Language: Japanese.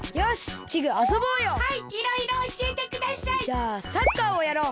じゃあサッカーをやろう。